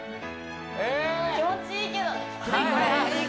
気持ちいいけどきつい